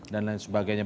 dan lain sebagainya